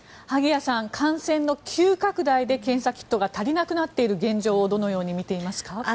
萩谷さん、感染の急拡大で検査キットが足りなくなっている現状をどのように見ていますか。